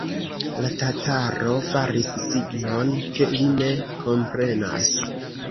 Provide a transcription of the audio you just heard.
La tataro faris signon, ke li ne komprenas.